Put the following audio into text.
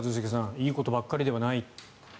いいことばかりではない。